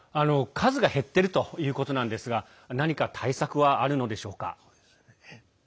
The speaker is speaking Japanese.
数が減っているということですが何か対策はあるのでしょうか？